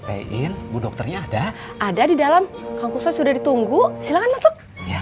protein bu dokternya ada ada di dalam kampusnya sudah ditunggu silahkan masuk